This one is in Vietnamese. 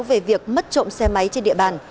về việc mất trộm xe máy trên địa bàn